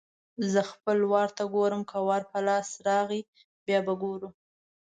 زه خپل وار ته ګورم؛ که وار په لاس راغی - بیا به ګورو.